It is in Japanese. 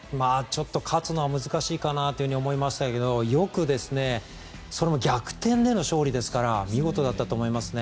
ちょっと勝つのは難しいかなと思いましたけどよく、それも逆転での勝利ですから見事だったと思いますね。